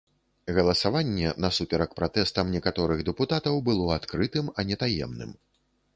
Галасаванне, насуперак пратэстам некаторых дэпутатаў, было адкрытым, а не таемным.